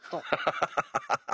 ハハハハッ。